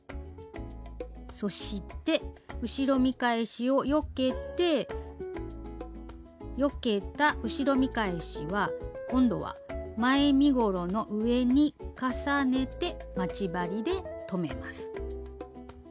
そして後ろ見返しをよけてよけた後ろ見返しは今度は前身ごろの上に重ねて待ち針で留めます。